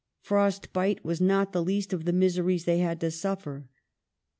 Frost bite was not the least of the miseries they had to suffer.